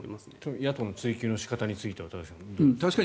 野党の追及の仕方についてはどうですか。